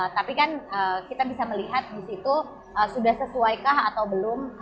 tapi kan kita bisa melihat di situ sudah sesuaikah atau belum